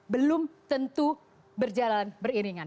belum tentu berjalan beriringan